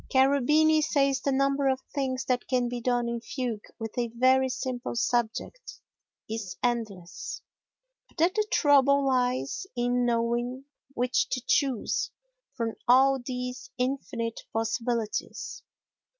Cherubini says the number of things that can be done in fugue with a very simple subject is endless, but that the trouble lies in knowing which to choose from all these infinite possibilities.